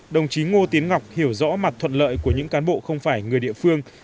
đồng chí ngô tiến ngọc hiểu rõ mặt thuận lợi của những cán bộ không phải người địa phương